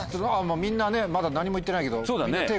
みんなねまだ何も言ってないけど。